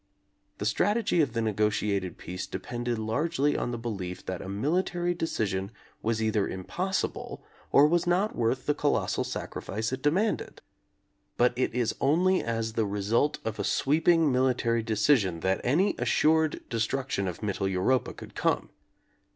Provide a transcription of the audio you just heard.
The strategy of the negotiated peace de pended largely on the belief that a military de cision was either impossible or was not worth the colossal sacrifice it demanded. But it is only as the result of a sweeping military decision that any assured destruction of Mittel Europa could come.